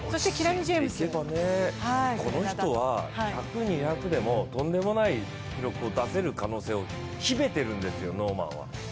この人は１００、２００でもとんでもない記録を出せる可能性を秘めてるんですよ、ノーマンは。